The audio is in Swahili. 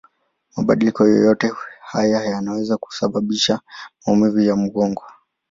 Mabadiliko yoyote haya yanaweza kusababisha maumivu ya mgongo.